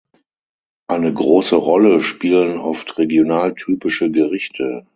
Eine große Rolle spielen oft regionaltypische Gerichte.